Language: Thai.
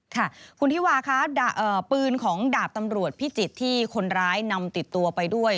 ค่ะคุณธิวาคะปืนของดาบตำรวจพิจิตรที่คนร้ายนำติดตัวไปด้วย